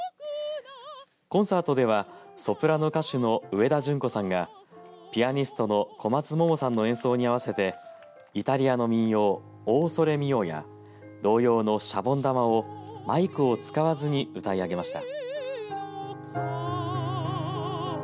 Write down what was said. コンサートではソプラノ歌手の上田純子さんがピアニストの小松桃さんの演奏に合わせてイタリアの民謡オー・ソレ・ミオや童謡のしゃぼん玉をマイクを使わずに歌い上げました。